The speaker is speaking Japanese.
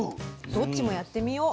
どっちもやってみよう。